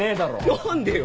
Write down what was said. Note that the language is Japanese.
何でよ？